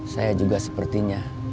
saya juga sepertinya